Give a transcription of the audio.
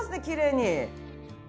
きれいに。